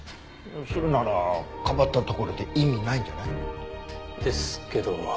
それならかばったところで意味ないんじゃない？ですけど。